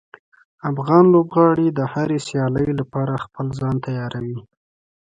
افغان لوبغاړي د هرې سیالۍ لپاره خپل ځان تیاروي.